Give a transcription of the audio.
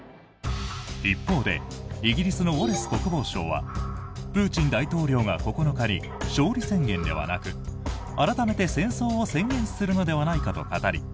一方でイギリスのウォレス国防相はプーチン大統領が９日に勝利宣言ではなく改めて戦争を宣言するのではないかと語り